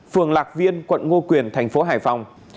phường lạc viên quận ngo quyền tp hải phòng